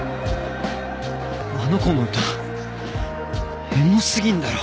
あの子の歌エモすぎんだろ